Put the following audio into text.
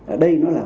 ở đây nó là